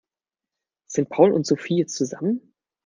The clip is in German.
Sind Paul und Sophie jetzt zusammen?